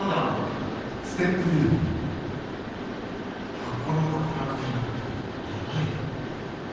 学校なんか来なくていいなんてやばいよ。